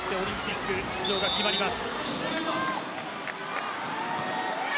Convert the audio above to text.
そしてオリンピック出場が決まります。